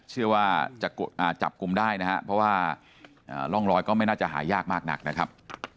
เชื่อว่าจะจับกลุ่มได้นะครับเพราะว่าร่องรอยก็ไม่น่าจะหายากมากนักนะครับ